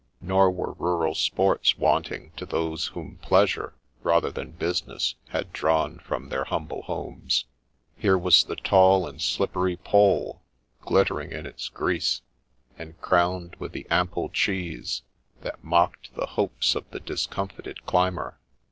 Nor were rural sports wanting to those whom pleasure, rather than business, had drawn from their humble homes. Here was the tall and slippery pole, glittering in its grease, and crowned with the ample cheese, that mocked the hopes of the discomfited climber.